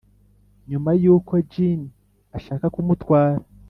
nyuma yuko jinny ashaka kumutwara